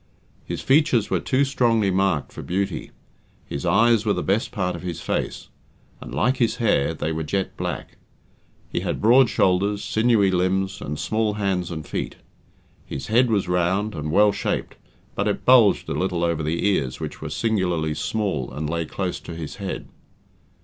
His features were too strongly marked for beauty. His eyes were the best part of his face, and, like his hair, they were jet black. He had broad shoulders, sinewy limbs, and small hands and feet. His head was round, and well shaped, but it bulged a little over the ears which were singularly small and lay close to his head.